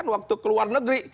waktu keluar negeri